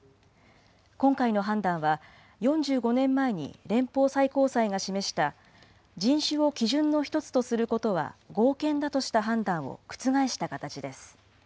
今回の判断は、４５年前に連邦最高裁が示した、人種を基準の一つとすることは合憲だとした判断を覆した形です。